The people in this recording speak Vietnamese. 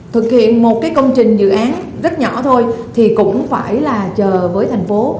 thực hiện một cái công trình dự án rất nhỏ thôi thì cũng phải là chờ với thành phố